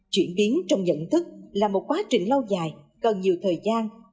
chuyển biến trong nhận thức là một quá trình lâu dài cần nhiều thời gian